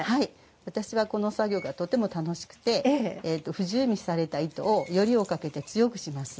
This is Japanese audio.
私はこの作業が、とても楽しくて藤績みされた糸をよりをかけて強くします。